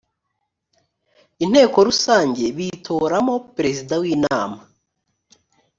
inteko rusange bitoramo perezida w’ inama